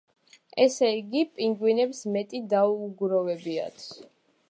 ესე იგი, პინგვინებს მეტი დაუგროვებიათ.